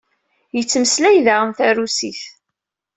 Yettmeslay daɣen tarusit.